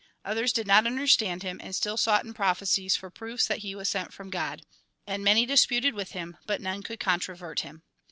Others did not understand him, and still sought in prophecies for proofs that he was sent from God. And many disputed with him, but none could controvert him.